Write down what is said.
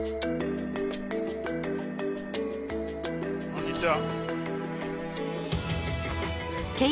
こんにちは。